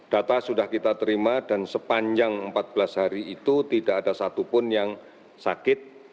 data sudah kita terima dan sepanjang empat belas hari itu tidak ada satupun yang sakit